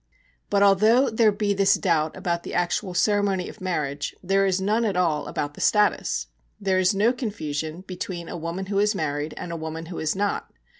But although there be this doubt about the actual ceremony of marriage, there is none at all about the status. There is no confusion between a woman who is married and a woman who is not.